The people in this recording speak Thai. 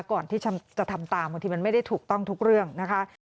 ก่อนที่จะทำตามบางทีมันไม่ได้ถูกต้องทุกเรื่องนะคะ